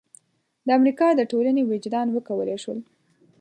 د امریکا د ټولنې وجدان وکولای شول.